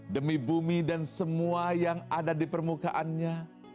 demi bumi dan semua yang ada di permukaannya